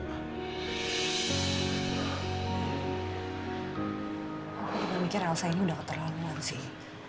aku juga mikir rasa ini udah keterlaluan sih